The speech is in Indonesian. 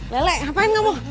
lelek ngapain kamu